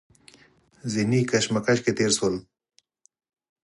ذهني کشمکش کې تېر شول.